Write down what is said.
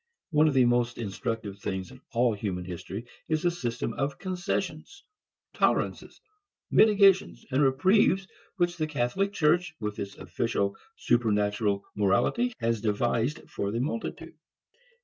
One of the most instructive things in all human history is the system of concessions, tolerances, mitigations and reprieves which the Catholic Church with its official supernatural morality has devised for the multitude.